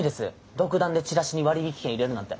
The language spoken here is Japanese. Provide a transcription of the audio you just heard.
独断でチラシに割引券入れるなんて。